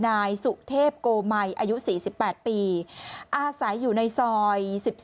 นายสุเทพโกมัยอายุ๔๘ปีอาศัยอยู่ในซอย๑๒